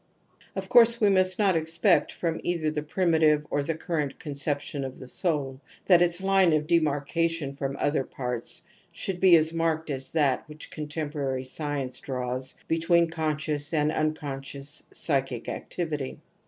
Of course we must not expect from either the primitive or the current conception of the ' soul ' that its line of demarcation from other parts should be as marked as that which con temporary science draws between conscious and unconscious psychic activity.